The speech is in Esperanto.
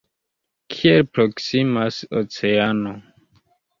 Kiel proksimas oceano!